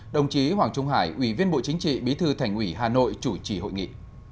đồng chí hoàng trung hải ủy viên bộ chính trị bí thư thành ủy hà nội chủ trì hội nghị